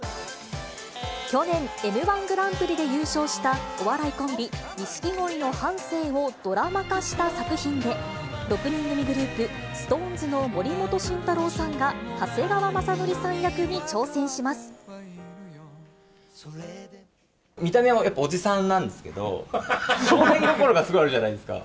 去年、Ｍー１グランプリで優勝した、お笑いコンビ、錦鯉の半生をドラマ化した作品で、６人組グループ、ＳｉｘＴＯＮＥＳの森本慎太郎さんが、長谷川雅紀さん役に挑戦し見た目はやっぱおじさんなんですけど、少年心がすごいあるじゃないですか。